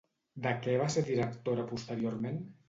De què va ser directora posteriorment?